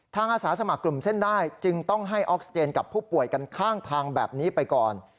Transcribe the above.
อาสาสมัครกลุ่มเส้นได้จึงต้องให้ออกซิเจนกับผู้ป่วยกันข้างทางแบบนี้ไปก่อน